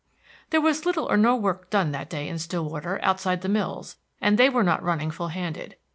There was little or no work done that day in Stillwater outside the mills, and they were not running full handed.